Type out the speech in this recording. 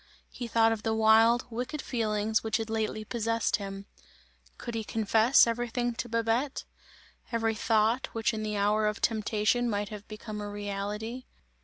He thought of the wild, wicked feelings which had lately possessed him. Could he confess everything to Babette? Every thought, which in the hour of temptation might have become a reality?